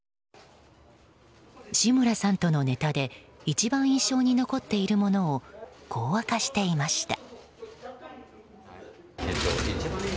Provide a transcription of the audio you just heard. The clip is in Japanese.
志村さんとのネタで一番印象に残っているものをこう明かしていました。